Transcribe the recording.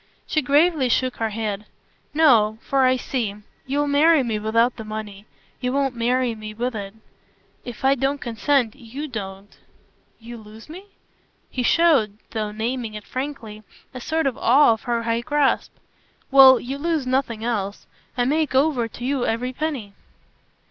She gravely shook her head. "No for I see. You'll marry me without the money; you won't marry me with it. If I don't consent YOU don't." "You lose me?" He showed, though naming it frankly, a sort of awe of her high grasp. "Well, you lose nothing else. I make over to you every penny."